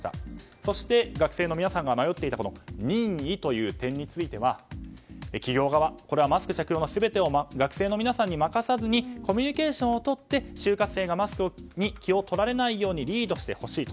そして学生の皆さんが迷っていた任意という点については企業側、これはマスク着用の全て学生に任さずにコミュニケーションをとって就活生がマスクに気を取られないようにリードしてほしいと。